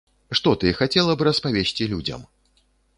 Што ты хацела б распавесці людзям?